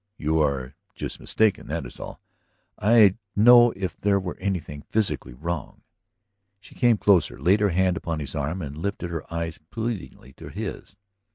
You are just mistaken, that is all. I'd know if there were anything physically wrong." She came closer, laid her hand upon his arm, and lifted her eyes pleadingly to his.